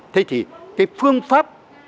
thế thì cái phương pháp